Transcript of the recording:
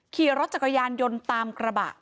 ขี่รถจักรยานยนต์ตามกระบะ